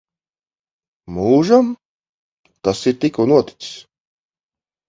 Mūžam? Tas ir tikko noticis.